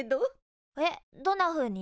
えっどんなふうに？